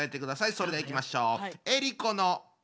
それではいきましょう。